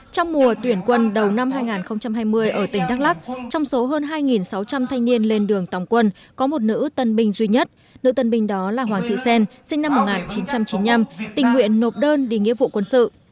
trong mùa tuyển quân đầu năm hai nghìn hai mươi ở tỉnh đắk lắc trong số hơn hai sáu trăm linh thanh niên lên đường tòng quân có một nữ tân binh duy nhất nữ tân binh đó là hoàng thị xen sinh năm một nghìn chín trăm chín mươi năm tình nguyện nộp đơn đi nghĩa vụ quân sự